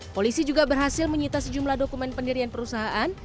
polisi juga berhasil menyita sejumlah dokumen pendirian perusahaan